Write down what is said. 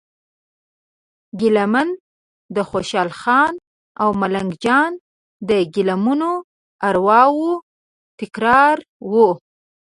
ګیله من د خوشال خان او ملنګ جان د ګیله منو ارواوو تکرار و.